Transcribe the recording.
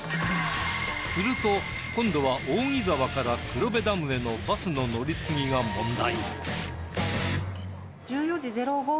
すると今度は扇沢から黒部ダムへのバスの乗り継ぎが問題。